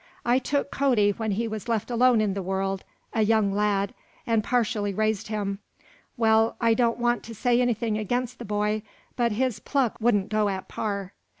I took Cody when he was left alone in the world, a young lad, and partially raised him. Well, I don't want to say anything against the boy, but his pluck wouldn't go at par.